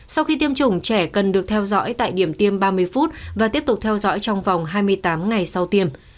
sau khi tiêm chủng trẻ cần được theo dõi tại điểm tiêm ba mươi phút và tiếp tục theo dõi trong vòng hai mươi tám ngày sau tiêm